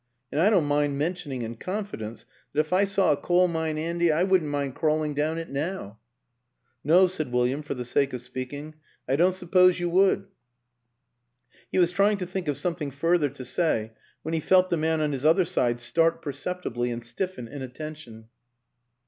And I don't mind mentioning in confidence that if I saw a coal mine 'andy I wouldn't mind crawling down it now." " No," said William, for the sake of speaking, " I don't suppose you would." He was trying to think of something further to say when he felt the man on his other side start perceptibly and stiffen in attention.